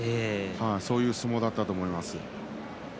そういう相撲だったと思います。